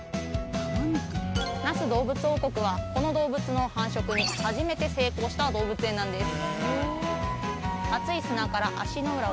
那須どうぶつ王国はこの動物の繁殖に初めて成功した動物園なんです